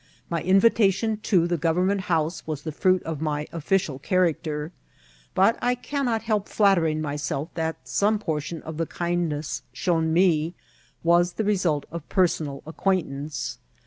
My in vitation to. the Government House was the fruit of my official character ; but I cannot help flattering myself that some portion of the kindness shown me was the result of personal acquaintance.